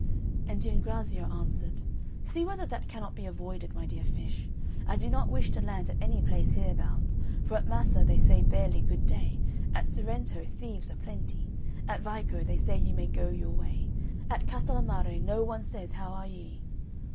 And Giangrazio answered, "See whether that cannot be avoided, my dear fish. I do not wish to land at any place hereabouts; for at Massa they say barely good day, at Sorrento thieves are plenty, at Vico they say you may go your way, at Castel a mare no one says how are ye."